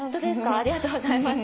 ありがとうございます。